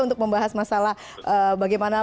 untuk membahas masalah bagaimana